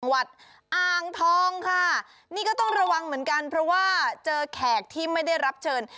อ่างทองค่ะนี่ก็ต้องระวังเหมือนกันเพราะว่าเจอแขกที่ไม่ได้รับเชิญ